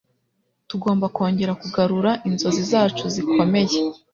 Tugomba kongera kugarura inzozi zacu zikomeye.